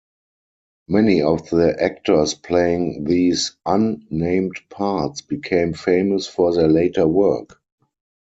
Many of the actors playing these un-named parts became famous for their later work.